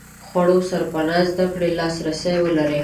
خوړو سرپناه زده کړې لاس رسي ولري.